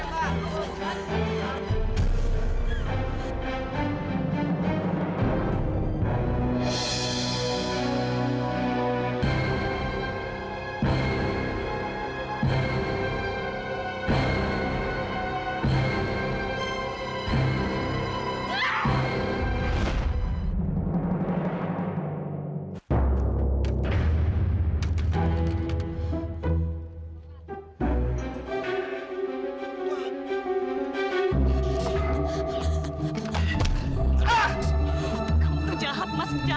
kamu jahat mas jahat